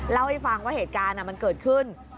เล่าให้ฟังว่าเหตุการณ์มันเกิดขึ้น